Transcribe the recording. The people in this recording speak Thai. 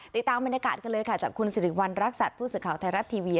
ติดตามบรรยากาศกันเลยค่ะจากคุณสิริวัณรักษัตริย์ผู้สื่อข่าวไทยรัฐทีวี